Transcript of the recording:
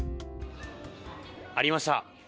ありました。